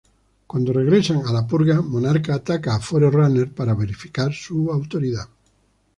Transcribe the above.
Cuando regresan a "La Purga", Monarca ataca a Forerunner para verificar su autoridad.